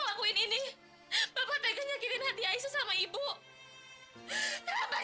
temen kamu itu siapa namanya